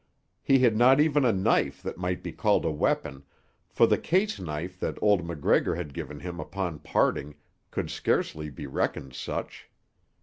He had not even a knife that might be called a weapon, for the case knife that old MacGregor had given him upon parting could scarcely be reckoned such.